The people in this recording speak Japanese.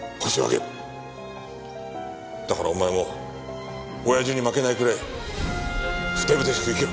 だからお前も親父に負けないくらいふてぶてしく生きろ！